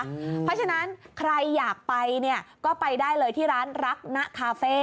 เพราะฉะนั้นใครอยากไปเนี่ยก็ไปได้เลยที่ร้านรักนะคาเฟ่